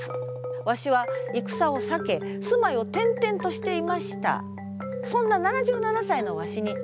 わしは戦を避け住まいを転々としていました。